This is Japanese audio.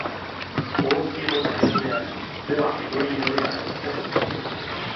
ほおひげも茶色であり、目は緑色であるはずです。